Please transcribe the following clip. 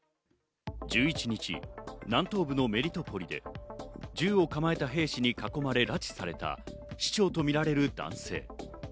１１日、南東部のメリトポリで銃を構えた兵士に囲まれ拉致された市長とみられる男性。